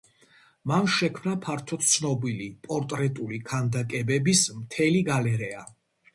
მან შექმნა ფართოდ ცნობილი პორტრეტული ქანდაკებების მტელი გალერეა.